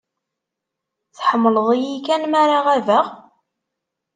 Tḥemmleḍ-iyi kan mi ara ɣabeɣ?